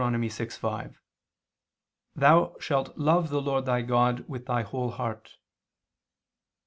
6:5: "Thou shalt love the Lord thy God with thy whole heart."